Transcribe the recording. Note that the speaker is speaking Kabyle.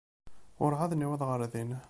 Ur εad newwiḍ ɣer din.